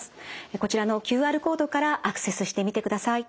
こちらのＱＲコードからアクセスしてみてください。